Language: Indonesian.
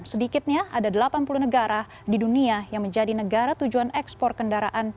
sedikitnya ada delapan puluh negara di dunia yang menjadi negara tujuan ekspor kendaraan